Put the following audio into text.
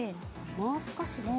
もう少しですね。